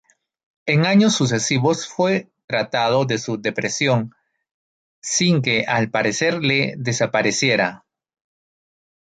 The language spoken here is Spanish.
En años sucesivos fue tratado de su depresión sin que al parecer le desapareciera.